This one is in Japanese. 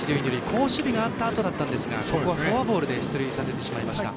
好守備があったあとですがフォアボールで出塁させてしまいました。